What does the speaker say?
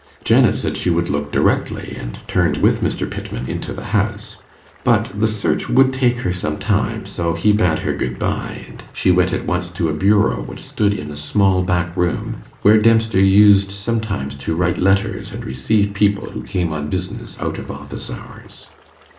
Janet said she would look directly, and turned with Mr. Pittman into the house. But the search would take her some time, so he bade her good bye, and she went at once to a bureau which stood in a small back room, where Dempster used sometimes to write letters and receive people who came on business out of office hours.